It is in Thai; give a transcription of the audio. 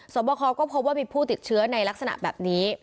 บคอก็พบว่ามีผู้ติดเชื้อในลักษณะแบบนี้